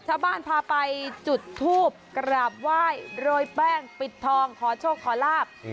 ชาวบ้านพาไปจุดทูบกราบไหว้โรยแป้งปิดทองขอโชคขอลาบ